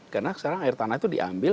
karena sekarang air tanah itu diambil